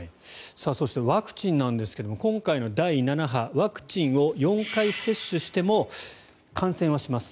そしてワクチンなんですが今回の第７波ワクチンを４回接種しても感染はします。